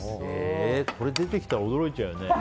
これ出てきたら驚いちゃうよね。